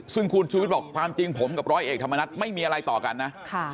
ซึ่งคุณชูวิทย์บอกความจริงผมกับร้อยเอกธรรมนัฐไม่มีอะไรต่อกันนะ